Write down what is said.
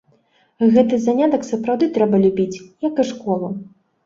Гэты занятак сапраўды трэба любіць, як і школу.